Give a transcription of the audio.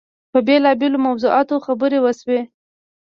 په بېلابېلو موضوعاتو خبرې وشوې.